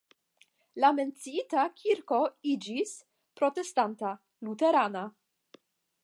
La menciita kirko iĝis protestanta (luterana).